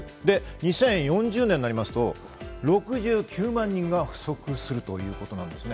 ２０４０年になりますと、およそ６９万人が不足するということなんですね。